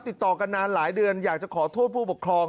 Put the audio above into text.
ติดต่อกันนานหลายเดือนอยากจะขอโทษผู้ปกครอง